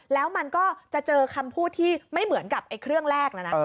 แล้วมันก็จะเจอคำพูดที่ไม่เหมือนกับเครื่องแรกแล้วนะ